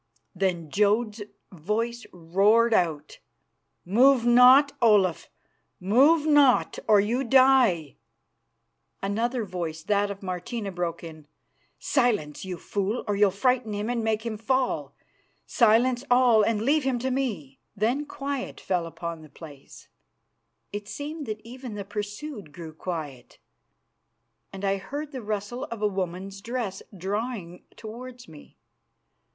Then Jodd's voice roared out, "Move not, Olaf; move not, or you die." Another voice, that of Martina, broke in, "Silence, you fool, or you'll frighten him and make him fall. Silence all, and leave him to me!" Then quiet fell upon the place; it seemed that even the pursued grew quiet, and I heard the rustle of a woman's dress drawing towards me.